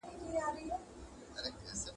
له لېوني څخه ئې مه غواړه، مې ورکوه.